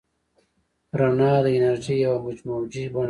رڼا د انرژۍ یوه موجي بڼه ده.